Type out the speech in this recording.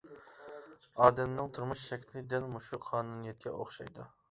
ئادەمنىڭ تۇرمۇش شەكلى دەل مۇشۇ قانۇنىيەتكە ئوخشايدۇ.